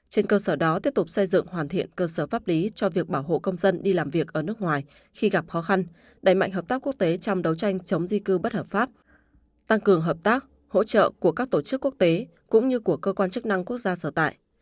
trên cơ sở đó tiếp tục xây dựng hoàn thiện cơ sở pháp lý cho việc bảo hộ công dân đi làm việc ở nước ngoài khi gặp khó khăn đẩy mạnh hợp tác quốc tế trong đấu tranh chống di cư bất hợp pháp tăng cường hợp tác hỗ trợ của các tổ chức quốc tế cũng như của cơ quan chức năng quốc gia sở tại